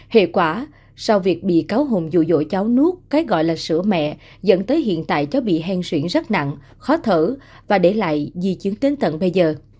hệ quả sau việc bị cáo hùng dụ dỗi cháu nuốt cái gọi là sữa mẹ dẫn tới hiện tại cháu bị hèn xuyển rất nặng khó thở và để lại di chứng đến tận bây giờ